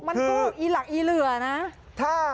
มันคือหรือเหลือนะ